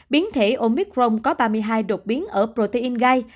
biến thể omicron có ba mươi hai đột biến ở protein gai